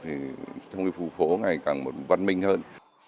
thì trong cái khu phố ngày càng văn minh hơn